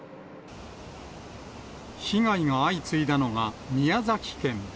被害が相次いだのが宮崎県。